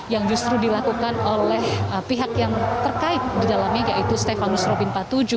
yang justru dilakukan oleh pihak yang terkait di dalamnya yaitu stefanus robin patuju